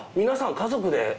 皆さん家族で。